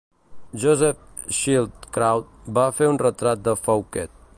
Joseph Schildkraut va fer un retrat de Fouquet.